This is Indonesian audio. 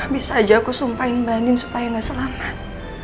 bisa aja aku sumpahin mbak andin supaya gak selamat